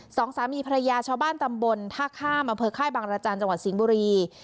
สองสามีภรรยาชาวบ้านตำบลท่าข้ามอำเภอค่ายบางรจันทร์จังหวัดสิงห์บุรี